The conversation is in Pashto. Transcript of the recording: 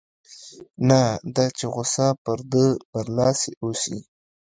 نه دا چې غوسه پر ده برلاسې اوسي.